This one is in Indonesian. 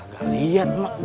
kagak liat mak